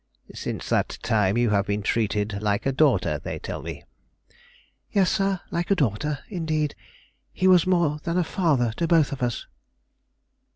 "Since that time you have been treated like a daughter, they tell me?" "Yes, sir, like a daughter, indeed; he was more than a father to both of us."